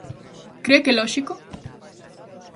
¿Cre que é lóxico?